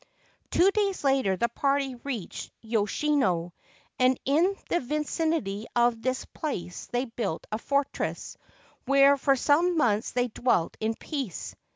Two days later the party reached Yoshino, and in the vicinity of this place they built a fortress, where for some months they dwelt in peace.